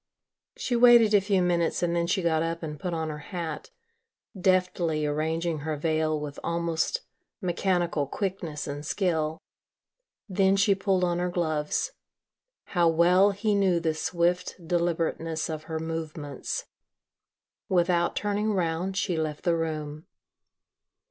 She waited a few minutes and then she got up and put on her hat, deftly arranging her veil with almost mechanical quickness and skill. Then she pulled on her gloves. How well he knew the swift deliberateness of her movements. Without turning round she left the room.